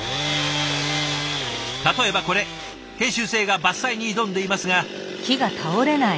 例えばこれ研修生が伐採に挑んでいますが。